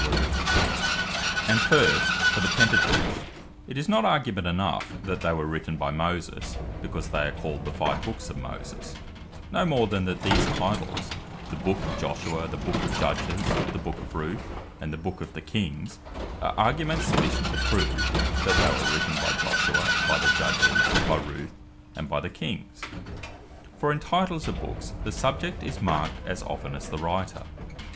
The Pentateuch Not Written By Moses And first, for the Pentateuch, it is not argument enough that they were written by Moses, because they are called the five Books of Moses; no more than these titles, The Book of Joshua, the Book of Judges, The Book of Ruth, and the Books of the Kings, are arguments sufficient to prove, that they were written by Joshua, by the Judges, by Ruth, and by the Kings. For in titles of Books, the subject is marked, as often as the writer.